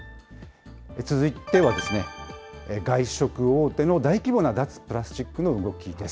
続いては外食大手の大規模な脱プラスチックの動きです。